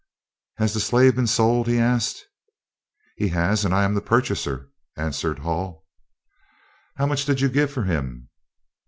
"Has the slave been sold?" he asked. "He has, and I am the purchaser," answered Hull. "How much did you give for him?"